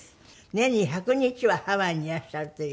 年に１００日はハワイにいらっしゃるという。